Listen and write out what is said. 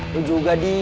lo juga di